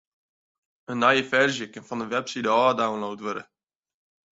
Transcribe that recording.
In nije ferzje kin fan de webside ôf download wurde.